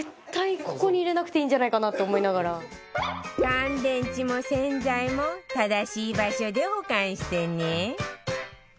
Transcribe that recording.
乾電池も洗剤も正しい場所で保管してね